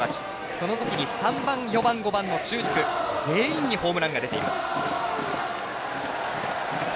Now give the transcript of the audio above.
その時に３番、４番、５番の中軸全員にホームランが出ています。